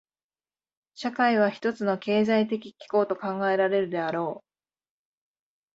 社会は一つの経済的機構と考えられるであろう。